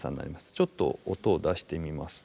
ちょっと音を出してみますと。